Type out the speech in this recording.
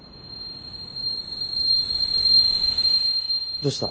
どうした？